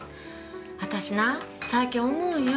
私な最近思うんよ。